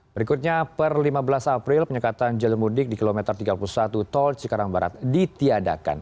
berikutnya per lima belas april penyekatan jalur mudik di kilometer tiga puluh satu tol cikarang barat ditiadakan